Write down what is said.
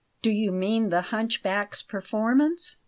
"Do you mean the hunchback's performance?"